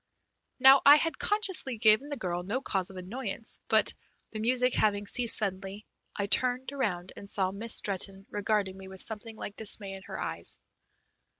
Now I had consciously given the girl no cause of annoyance, but, the music having ceased suddenly, I turned around and saw Miss Stretton regarding me with something like dismay in her eyes.